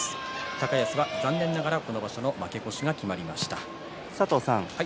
高安は残念ながら、この場所負け越しが決まりました。